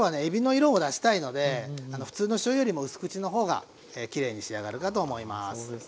色を出したいので普通のしょうゆよりもうす口の方がきれいに仕上がるかと思います。